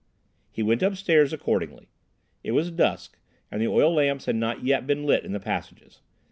He went upstairs accordingly. It was dusk, and the oil lamps had not yet been lit in the passages.